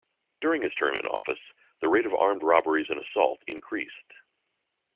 During his term in office the rate of armed robberies and assault increased.